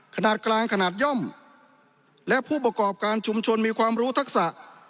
ขนาดกลางขนาดย่อมและผู้ประกอบการชุมชนมีความรู้ทักษะ